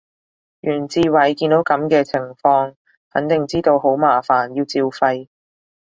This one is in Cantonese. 袁志偉見到噉嘅情況肯定知道好麻煩，要照肺